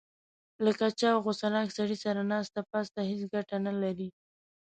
له کچه او غوسه ناک سړي سره ناسته پاسته هېڅ ګټه نه لري.